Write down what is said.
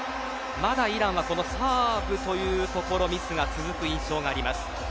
まだイランはサーブというところミスが続く印象があります。